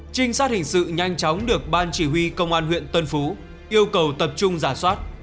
trinh sát hình sự nhanh chóng được ban chỉ huy công an huyện tân phú yêu cầu tập trung giả soát